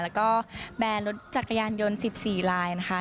แล้วก็แบร์รถจักรยานยนต์๑๔ลายนะคะ